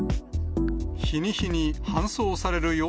日に日に搬送される